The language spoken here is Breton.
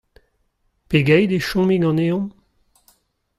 Pegeit e chomi ganeomp ?